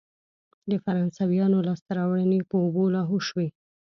د فرانسویانو لاسته راوړنې په اوبو لاهو شوې.